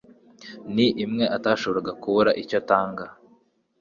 Ni imwe atashoboraga kubura icyo atanga